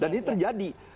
dan ini terjadi